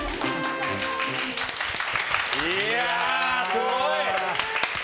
すごい！